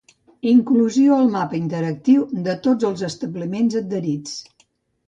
Inclusió al mapa interactiu de tots els establiments adherits